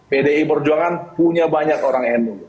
pdi perjuangan punya banyak orang nu